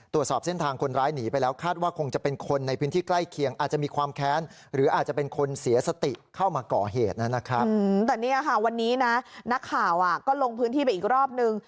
แต่นี่ค่ะวันนี้นะนักข่าวก็ลงพื้นที่ไปอีกรอบหนึ่ง